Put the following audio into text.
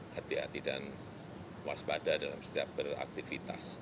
hati hati dan waspada dalam setiap beraktivitas